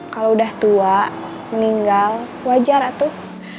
kalau udah tua meninggal wajar atuh